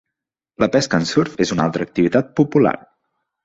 La pesca en surf és una altra activitat popular.